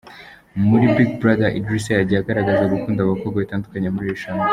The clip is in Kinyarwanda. Muri Big Brother, Idris yagiye agaragaza gukunda abakobwa batandukanye mu irushanwa.